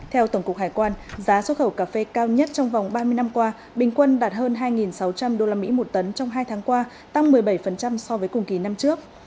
theo tổng cục hải quan giá xuất khẩu cà phê cao nhất trong vòng ba mươi năm qua bình quân đạt hơn hai sáu trăm linh usd một tấn trong hai tháng qua tăng một mươi bảy so với cùng kỳ năm trước